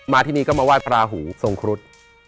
มาที่นี่ก็มาว่ายพระหูทรงครุฑ